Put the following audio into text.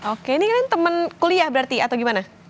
oke ini kan temen kuliah berarti atau gimana